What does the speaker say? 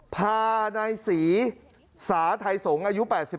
พานายศรีสาไทยสงฆ์อายุ๘๒